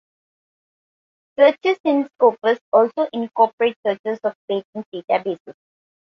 Searches in Scopus also incorporate searches of patent databases.